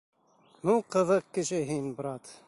Ну, ҡыҙыҡ кеше һин, брат!